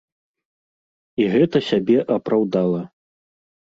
І гэта сябе апраўдала.